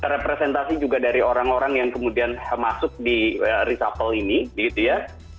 representasi juga dari orang orang yang kemudian masuk di reshuffle ini gitu ya